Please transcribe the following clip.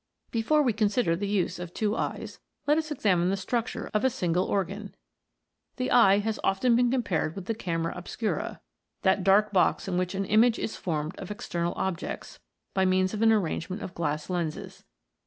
Before we consider the use of two eyes, let us examine the structure of a single organ. The eye has often been compared with the camera obscura, that dark box in which an image is formed of ex ternal objects, by means of an arrangement of glass lenses.